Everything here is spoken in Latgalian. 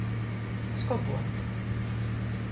Skobuorns.